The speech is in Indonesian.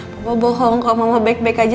papa bohong kok mama baik baik aja